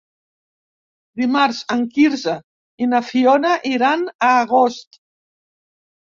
Dimarts en Quirze i na Fiona iran a Agost.